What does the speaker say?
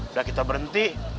udah kita berhenti